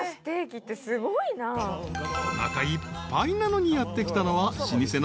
［おなかいっぱいなのにやって来たのは老舗の］